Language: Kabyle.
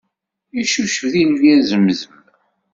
Yeccucef deg lbir zemzem.